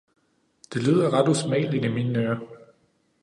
Det lyder ret usmageligt i mine ører.